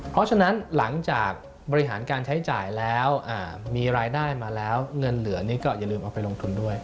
เพราะฉะนั้นหลังจากบริหารการใช้จ่ายแล้วมีรายได้มาแล้วเงินเหลือนี่ก็อย่าลืมเอาไปลงทุนด้วย